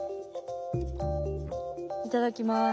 いただきます。